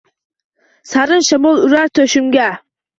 Sarin shamol urar toʼshimga.